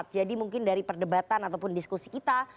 jadi mungkin dari perdebatan ataupun diskusi kita